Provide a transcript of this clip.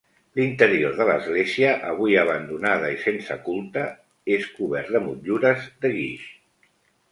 L'interior de l'església, avui abandonada i sense culte, és cobert de motllures de guix.